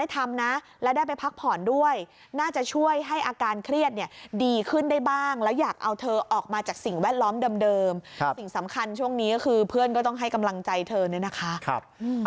สำคัญช่วงนี้ก็คือเพื่อนก็ต้องให้กำลังใจเธอเนี้ยนะคะครับ